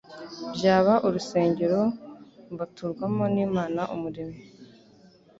byaba urusengero mvaturwamo n'Imana Umuremyi.